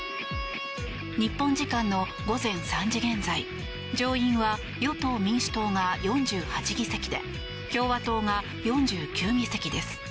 日本時間の午前３時現在上院は与党・民主党が４８議席で共和党が４９議席です。